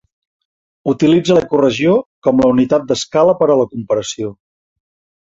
Utilitza l'ecoregió com la unitat d'escala per a la comparació.